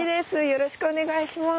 よろしくお願いします。